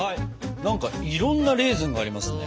何かいろんなレーズンがありますね。